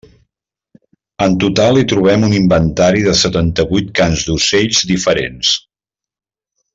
En total hi trobem un inventari de setanta-vuit cants d'ocells diferents.